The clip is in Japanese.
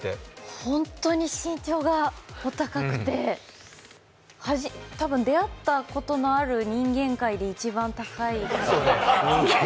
本当に身長がお高くて多分、出会ったことのある人間界で一番高いですね。